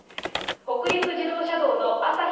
北陸自動車道のあさひ